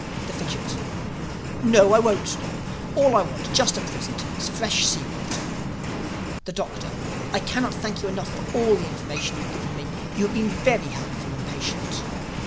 The Fidgit: "No, I won't stop. All I want just at present is fresh sea water." The Doctor: "I cannot thank you enough for all the information you have given me. You have been very helpful and patient."